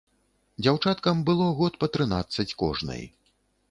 Дзяўчаткам было год па трынаццаць кожнай.